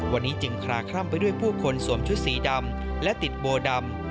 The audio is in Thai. วันนี้จึงคลาคล่ำไปด้วยผู้คนสวมชุดสีดำและติดโบดำ